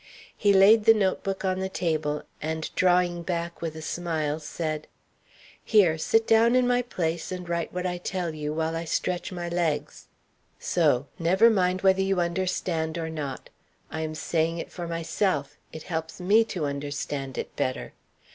He laid the note book on the table, and drawing back with a smile said: "Here, sit down in my place, and write what I tell you, while I stretch my legs. So; never mind whether you understand or not. I am saying it for myself: it helps me to understand it better.